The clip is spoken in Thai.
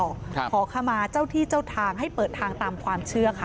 ขอขมาเจ้าที่เจ้าทางให้เปิดทางตามความเชื่อค่ะ